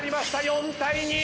４対２！